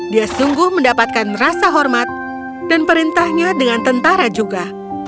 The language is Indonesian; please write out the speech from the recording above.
dia sungguh mendapatkan rasa hormat dan perintahnya dengan tentara juga